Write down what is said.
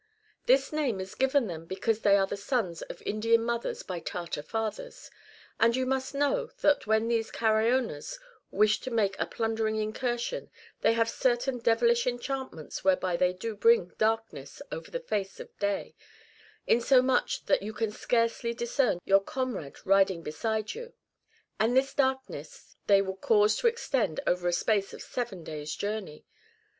This name is given them because they are the sons of Indian mothers by Tartar fathers. And you must know that when these Caraonas wish to make a plundering incursion, they have certain devilish enchantments whereby they do bring darkness over the face of day, insomuch that you can scarcely discern your comrade riding beside you ; and this darkness they will cause to extend over a space of seven days' journey.